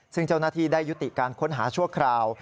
ซึ่งเจ้าหน้าที่ได้ยุติการค้นหาชั่วคราว